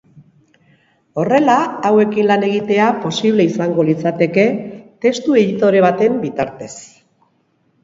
Horrela, hauekin lan egitea posible izango litzateke testu-editore baten bitartez.